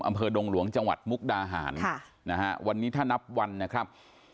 อำเภอดงหลวงจังหวัดมุกดาหารวันนี้ถ้านับวันนะครับ